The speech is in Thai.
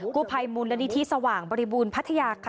กู้ภัยมูลนิธิสว่างบริบูรณ์พัทยาค่ะ